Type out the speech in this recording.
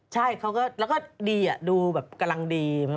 ใช่เขาก็ดีดูแบบกำลังดี